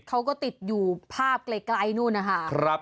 เขาก็ติดอยู่ภาพไกลนู่นนะคะ